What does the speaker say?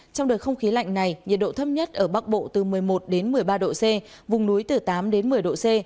trong đợt không khí lạnh này nhiệt độ thấp nhất ở bắc bộ từ một mươi một đến một mươi ba độ c vùng núi từ tám đến một mươi độ c